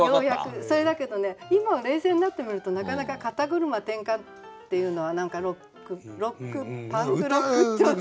それだけどね今冷静になって見るとなかなか「肩車点火」っていうのはロックパンクロック調の。